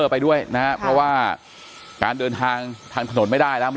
ไปด้วยนะครับเพราะว่าการเดินทางทางถนนไม่ได้แล้ว